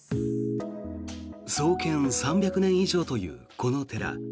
創建３００年以上というこの寺。